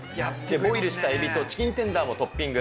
ボイルしたエビとチキンテンダーもトッピング。